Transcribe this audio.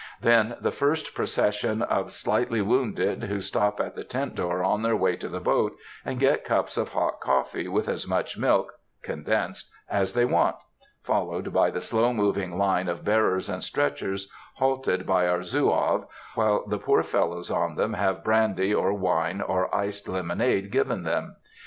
Then, the first procession of slightly wounded, who stop at the tent door on their way to the boat, and get cups of hot coffee with as much milk (condensed) as they want, followed by the slow moving line of bearers and stretchers, halted by our Zouave, while the poor fellows on them have brandy, or wine, or iced lemonade given them.